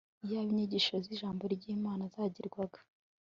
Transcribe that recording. Iyaba inyigisho zijambo ryImana zagirwaga